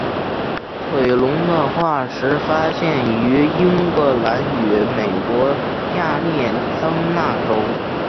腿龙的化石发现于英格兰与美国亚利桑那州。